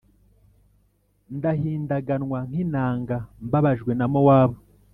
Ndahindaganwa nk’inanga, mbabajwe na Mowabu,